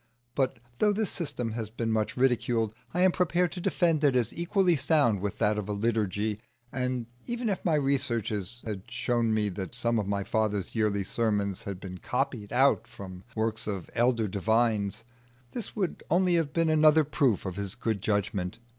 But though this system has been much ridiculed, I am prepared to defend it as equally sound with that of a liturgy; and even if my researches had shown me that some of my father's yearly sermons had been copied out from the works of elder divines, this would only have been another proof of his good judgment.